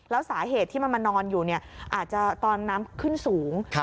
แล้วสาเหตุที่มันมานอนอยู่อาจจะตอนน้ำขึ้นสูง